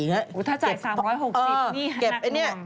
ถ้าจ่าย๓๖๐นี่นักหว่าง